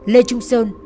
lê trung sơn